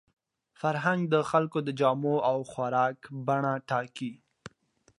فرهنګ د خلکو د جامو او خوراک بڼه ټاکي.